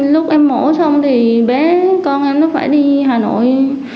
lúc em mổ xong thì bé con em nó phải đi hà nội